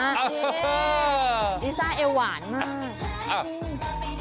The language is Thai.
ลิซ่าเอาหวานมาก